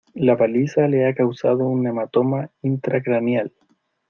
la paliza le ha causado un hematoma intracraneal.